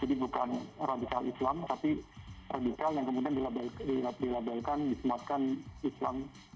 jadi bukan radical islam tapi radical yang kemudian dilabelkan disematkan islam